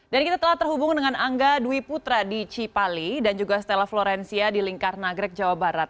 dan kita telah terhubung dengan angga dwi putra di cipali dan juga stella florencia di lingkar nagrek jawa barat